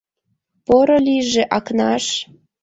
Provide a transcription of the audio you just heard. — Поро лийже, Акнаш!